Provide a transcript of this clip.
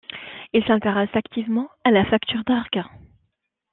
Il s’intéresse activement à la facture d’orgue.